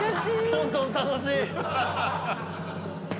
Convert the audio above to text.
トントン楽しい！